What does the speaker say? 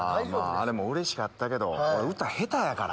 あれもうれしかったけど俺歌下手やから。